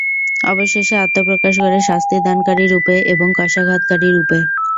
অবশেষে আত্মপ্রকাশ করে শাস্তিদানকারী রূপে এবং কশাঘাতকারী রূপে।